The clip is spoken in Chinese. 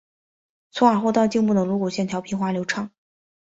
从耳后到颈部的颅骨线条平滑流畅。